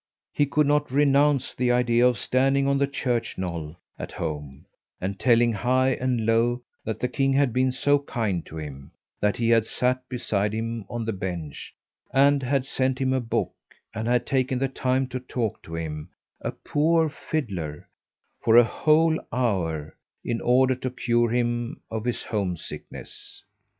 He could not renounce the idea of standing on the church knoll at home and telling high and low that the King had been so kind to him, that he had sat beside him on the bench, and had sent him a book, and had taken the time to talk to him a poor fiddler for a whole hour, in order to cure him of his homesickness.